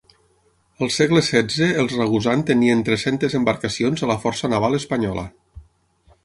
Al segle XVI els Ragusan tenien tres-centes embarcacions a la força naval espanyola.